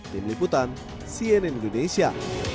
tim liputan cnn indonesia